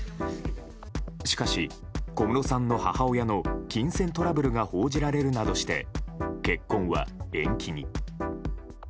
しかし、小室さんの母親の金銭トラブルが報じられるなどして結婚は延期に。